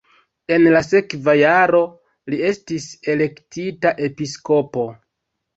En la sekva jaro li estis elektita episkopo.